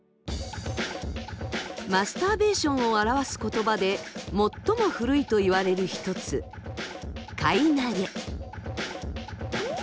マスターベーションを表す言葉で最も古いといわれる一つ腕挙。